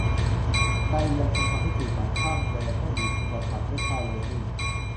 ใยจะยังทำให้สื่อสารข้ามแดนต้องมีอุปสรรคด้วยค่าโรมมิ่ง